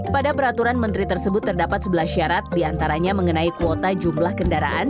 pada peraturan menteri tersebut terdapat sebelas syarat diantaranya mengenai kuota jumlah kendaraan